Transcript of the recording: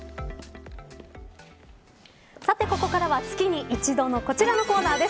さて、ここからは月に一度のこちらのコーナーです。